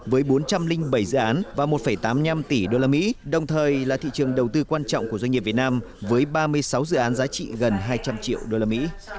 với bốn trăm linh bảy dự án và một tám mươi năm tỷ usd đồng thời là thị trường đầu tư quan trọng của doanh nghiệp việt nam với ba mươi sáu dự án giá trị gần hai trăm linh triệu usd